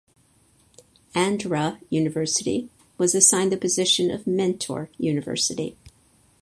Andhra University was assigned the position of mentor university.